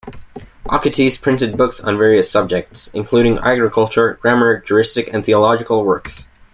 Achates printed books on various subjects, including agriculture, grammar, juristic and theological works.